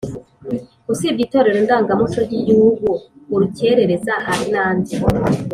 Usibye Itorero ndangamuco ry’Igihugu «Urukerereza» hari n’andi